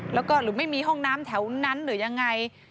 แล้วก็หรือไม่มีห้องน้ำแถวนั้นหรือยังไง